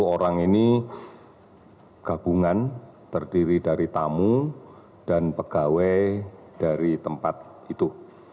tiga puluh orang ini gabungan terdiri dari tamu dan pegawai dari tempat itu